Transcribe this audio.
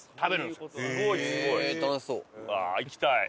うわあ行きたい。